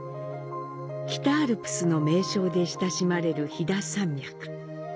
北アルプスの名称で親しまれる飛騨山脈。